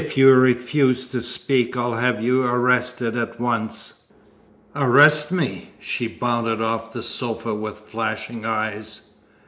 If you refuse to speak I'll have you arrested at once." "Arrest me!" She bounded off the sofa with flashing eyes.